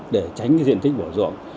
để tránh diện tích bỏ ruộng